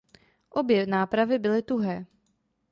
Obě nápravy byly tuhé.